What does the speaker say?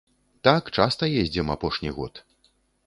Так, часта ездзім апошні год.